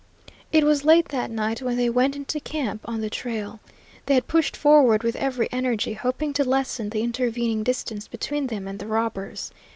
It was late that night when they went into camp on the trail. They had pushed forward with every energy, hoping to lessen the intervening distance between them and the robbers.